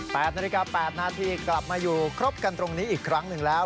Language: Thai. ๘นาฬิกา๘นาทีกลับมาอยู่ครบกันตรงนี้อีกครั้งหนึ่งแล้ว